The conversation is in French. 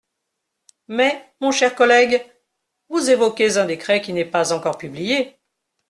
Mais, mon cher collègue, vous évoquez un décret qui n’est pas encore publié.